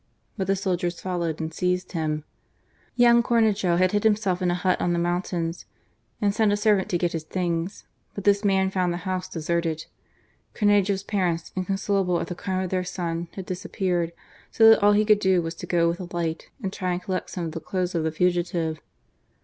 But the soldiers followed and seized THE MOURNING. 307 him. Young Comejo had hid himself in a hot on the mountains^ and sent a servant to get his things. But this man found the house deserted. Comejo's parents, inconsolable at the crime of their son, had disappeared, so that all he could do was to go with a light and try and collect some of the clothes of the fugitive.